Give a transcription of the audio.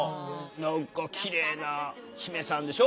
何かきれいな姫さんでしょ？